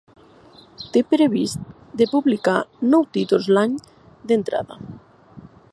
Té previst de publicar nou títols l’any, d’entrada.